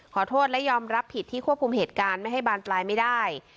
ขอโทษและยอมรับผิดที่ควบคุมเหตุการณ์ไม่ให้บานปลายไม่ได้